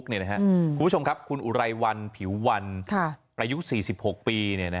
คุณผู้ชมครับคุณอุไรวันผิววันอายุ๔๖ปี